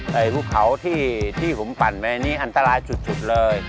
แต่ภูเขาที่ผมปั่นไปนี่อันตรายสุดเลย